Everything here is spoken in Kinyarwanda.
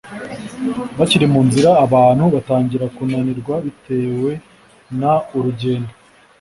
Bakiri mu nzira abantu batangira kunanirwa bitewe n urugendo